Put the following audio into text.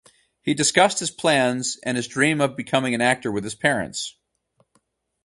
He discussed his plans and his dream of becoming an actor with his parents.